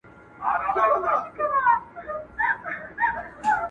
جانان ستا وي او په برخه د بل چا سي،